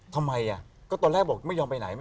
ทำไมก็ตอนแรกบอกไม่ยอมไปไหน